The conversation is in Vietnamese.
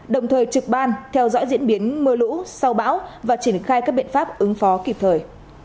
đồng thời trực ban theo dõi diễn biến mưa lũ sau bão và triển khai các biện pháp ứng phó kịp thời